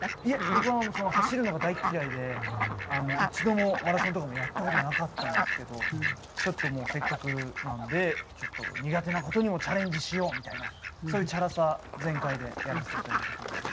僕は走るのが大嫌いで一度もマラソンとかもやった事なかったんですけどちょっとせっかくなんで苦手な事にもチャレンジしようみたいなそういうチャラさ全開でやらせて頂いた感じです。